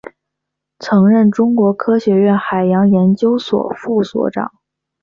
曾任中国科学院海洋研究所副所长。